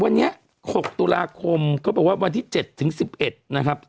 วันนี้๖ตุลาคมเขาบอกว่าวันที่๗ถึง๑๑นะครับ